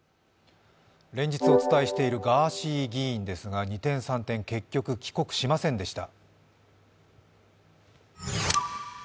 連日お伝えしているガーシー議員ですが二転三転、結局、帰国しませんでした。